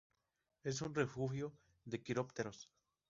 Es un refugio de quirópteros.